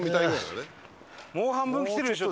もう半分来てるでしょ？